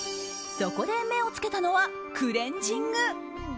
そこで目を付けたのはクレンジング。